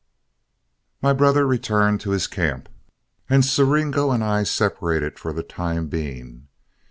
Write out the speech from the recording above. My brother returned to his camp, and Siringo and I separated for the time being.